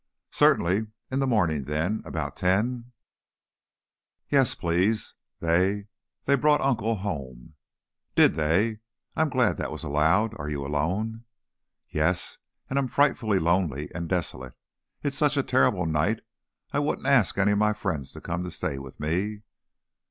"Certainly; in the morning, then. About ten?" "Yes, please. They they brought Uncle home." "Did they? I'm glad that was allowed. Are you alone?" "Yes; and I'm frightfully lonely and desolate. It's such a terrible night I wouldn't ask any of my friends to come to stay with me."